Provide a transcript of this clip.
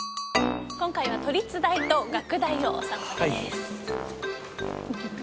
今回は都立大と学大をお散歩です。